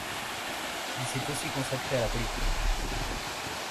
Il s'est aussi consacré à la politique.